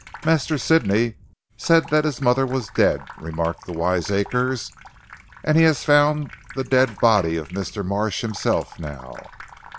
"Master Sidney said that his mother was dead," remarked the wiseacres, "and he has found the dead body of Mr. Marsh himself now!"